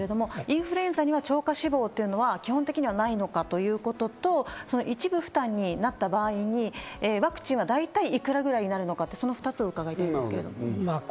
水野先生、インフルエンザには超過死亡が基本的にないのかということと、一部負担となったときにワクチンが大体いくらぐらいになるのか、その２つを伺いたいです。